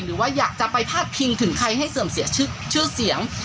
หรือว่าอยากจะไปพาดพิงถึงใครให้เสื่อมเสียชื่อเสียง